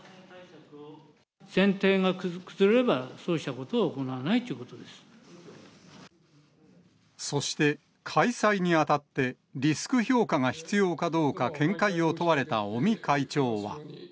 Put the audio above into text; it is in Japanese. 前提が崩れれば、そうしたこそして開催にあたって、リスク評価が必要かどうか見解を問われた尾身会長は。